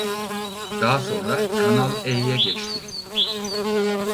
Daha sonra Kanal E'ye geçti.